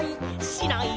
「しない！」